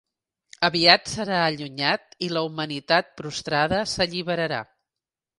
Aviat serà allunyat i la humanitat prostrada s'alliberarà.